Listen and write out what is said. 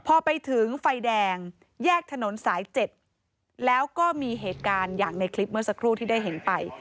พอไปถึงไฟแดงแยกถนนสาย๗แล้วก็มีเหตุการณ์อย่างในคลิปเมื่อสักครู่ที่ได้เห็นไป